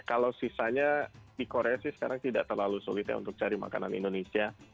kalau sisanya di korea sih sekarang tidak terlalu sulit ya untuk cari makanan indonesia